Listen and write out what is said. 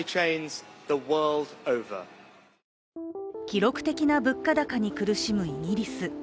記録的な物価高に苦しむイギリス。